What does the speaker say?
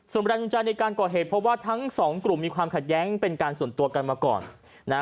ส่วนแรงจูงใจในการก่อเหตุเพราะว่าทั้งสองกลุ่มมีความขัดแย้งเป็นการส่วนตัวกันมาก่อนนะฮะ